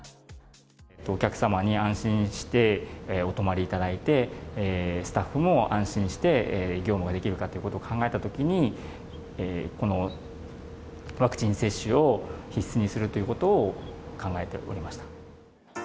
お客様に安心してお泊まりいただいて、スタッフも安心して業務ができるかっていうことを考えたときに、このワクチン接種を必須にするということを考えておりました。